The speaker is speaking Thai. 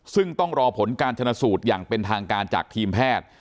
ซึ่งต้องรอผลการชนะสูตรอย่างเป็นทางการจากทีมแพทย์